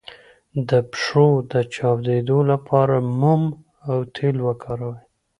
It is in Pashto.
د پښو د چاودیدو لپاره موم او تېل وکاروئ